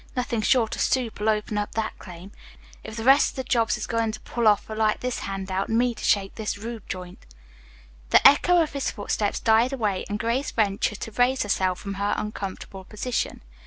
Nothing short of soup'll open up that claim. If the rest of the jobs he's goin' to pull off are like this hand out, me to shake this rube joint." The echo of his footsteps died away and Grace ventured to raise herself from her uncomfortable position.